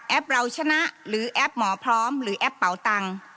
เราชนะหรือแอปหมอพร้อมหรือแอปเป่าตังค์